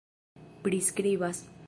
priskribas